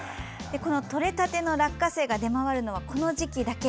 とれたての落花生が出回るのはこの時期だけ。